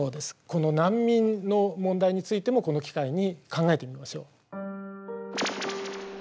この難民の問題についてもこの機会に考えてみましょう。